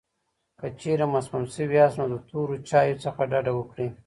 که چېرې مسموم شوي یاست، نو د تورو چایو څخه ډډه وکړئ.